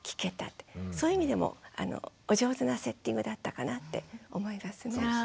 そういう意味でもお上手なセッティングだったかなって思いますね。